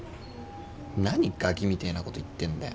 何ガキみてえなこと言ってんだよ。